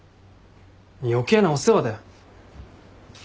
余計なお世話だよ。